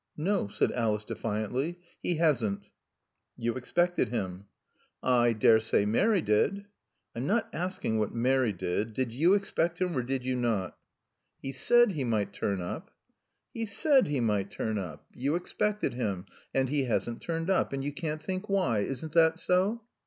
"No," said Alice defiantly, "he hasn't." "You expected him?" "I daresay Mary did." "I'm not asking what Mary did. Did you expect him or did you not?" "He said he might turn up." "He said he might turn up. You expected him. And he hasn't turned up. And you can't think why. Isn't that so?"